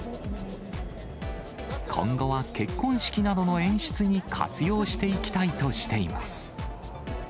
今後は結婚式などの演出に活用していきたいとしています。